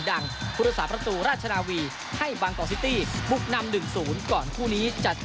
อันดับที่๔